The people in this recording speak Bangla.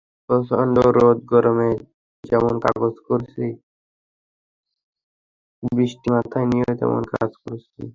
প্রচণ্ড রোদ-গরমে যেমন কাজ করেছি, বৃষ্টি মাথায় নিয়েও তেমন কাজ করেছি।